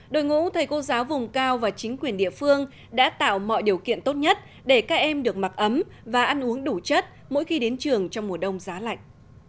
đội ngũ thầy cô giáo vùng cao và chính quyền địa phương đã tạo mọi điều kiện tốt nhất để các em được mặc ấm và ăn uống đủ chất mỗi khi đến trường trong mùa đông giá lạnh